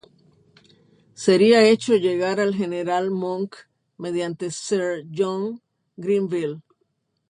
Sería hecho llegar al general Monck mediante sir John Greenville.